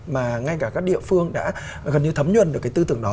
mà ngay cả các địa phương đã gần như thấm nhuận được cái tư tưởng đó